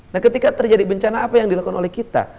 nah ketika terjadi bencana apa yang dilakukan oleh kita